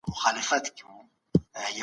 ښه ذهنیت هدف نه زیانمنوي.